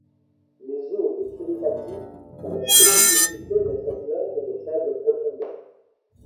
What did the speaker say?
Les eaux des Kiribati ont la spécificité d'être claires et de faible profondeur.